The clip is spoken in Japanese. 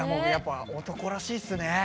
やっぱ男らしいっすね。